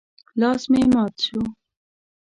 لاس مې مات شو.